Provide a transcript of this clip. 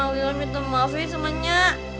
lila minta maaf ya temennya